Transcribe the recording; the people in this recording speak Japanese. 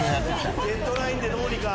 「デッドライン」でどうにか。